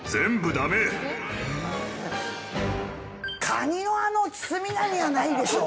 カニはあの包み紙はないでしょう。